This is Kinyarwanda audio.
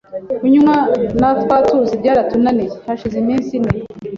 Kunywa natwatuzi byaratunaniye, hashize iminsi ine